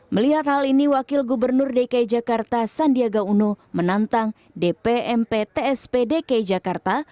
melihat hal ini wakil gubernur dki jakarta sandiaga uno menantang dpmp tsp dki jakarta